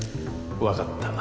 分かった